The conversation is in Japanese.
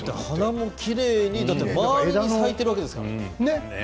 花もきれいに周りに咲いているわけですから。